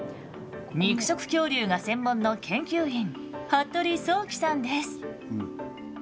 肉食恐竜が専門の研究員服部創紀さんです。